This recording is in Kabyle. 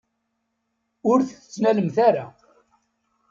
Ur t-tettnalemt ara.